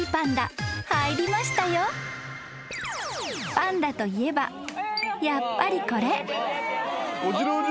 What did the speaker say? ［パンダといえばやっぱりこれ］